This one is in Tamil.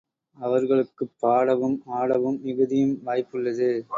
அவர்களுக்குப் பாடவும் ஆடவும் மிகுதியும் வாய்ப்புள்ளது.